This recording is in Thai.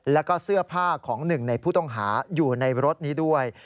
แล้วก็เสื้อผ้าของหนึ่งในผู้ต้องหาอยู่ในรถนี้ด้วย